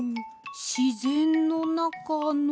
しぜんのなかの。